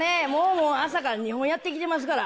もう朝から２本やって来てますから。